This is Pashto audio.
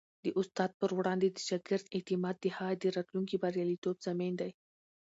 د استاد پر وړاندې د شاګرد اعتماد د هغه د راتلونکي بریالیتوب ضامن دی.